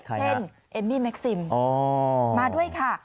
เอมมี่เม็กซิมมาด้วยค่ะ